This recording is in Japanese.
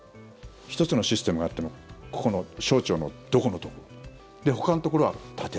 １つのシステムがあってもこの省庁のどこのところで、ほかのところは縦。